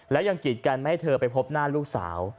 แล้วยังกีดกันไม่ให้เธอไปพบหน้าลูกสาว